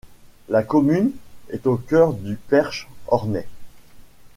La commune est au cœur du Perche ornais.